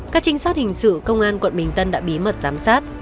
các trinh sát hình sự công an quận bình tân đã bí mật giám sát